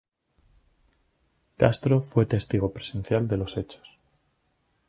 Castro fue testigo presencial de los hechos.